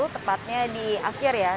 tepatnya di akhir ya